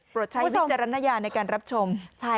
ใช้วิจารณญาณในการรับชม